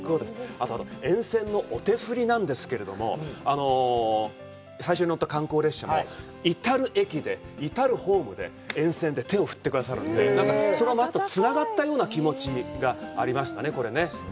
あと、沿線のお手振りなんですけども、最初に乗った観光列車も至る駅で、至るホームで、沿線で手を振ってくださるので、それがまたつながったような気持ちがありましたね。